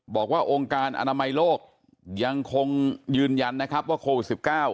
บอกว่าองค์การอนามัยโลกยังคงยืนยันนะครับว่าโควิด๑๙